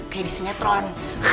kayak di sinetron